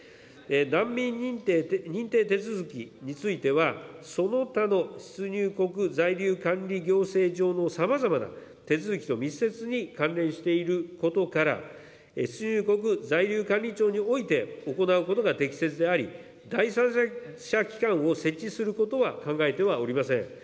難民認定手続きについては、その他の出入国在留管理行政上のさまざまな手続きと密接に関連していることから、出入国在留、行うことが適切であり、第三者機関を設置することは考えてはおりません。